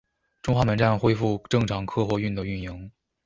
中华门站恢复正常客货运的运营。